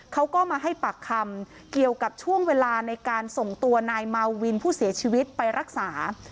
เขาก็มาให้ปากคำเกี่ยวกับช่วงเวลาในการส่งตัวนายมาวินผู้เสียชีวิตไปรักษา